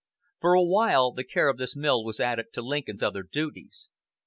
For a while the care of this mill was added to Lincoln's other duties.